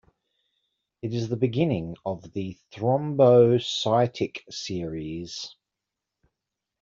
It is the beginning of the thrombocytic series.